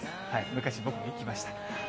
昔僕も行きました。